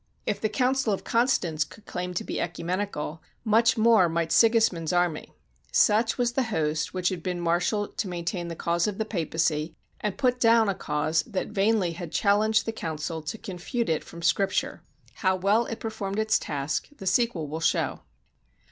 If the Council of Constance could claim to be oecumenical, much more might Sigismund's army. Such was the host which had been marshaled to main tain the cause of the Papacy, and put down a cause that vainly had challenged the council to confute it from Scripture. How well it performed its task, the sequel will show.